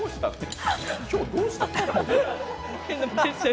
今日どうしたんだ？